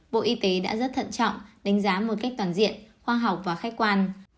bộ y tế đã rất thận trọng đánh giá một cách toàn diện khoa học và khách quan